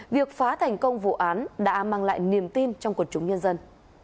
việc phá thành công vụ án đã mang lại niềm tin trong quần chúng nhân dân